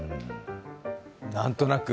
何となく。